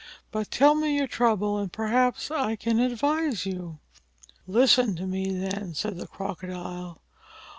But tell me your trouble and perhaps I can advise you." "Listen to me, then," said the Crocodile.